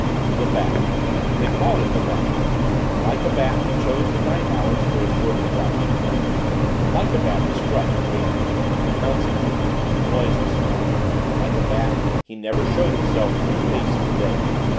The Bat they called him the Bat. Like a bat he chose the night hours for his work of rapine; like a bat he struck and vanished, pouncingly, noiselessly; like a bat he never showed himself to the face of the day.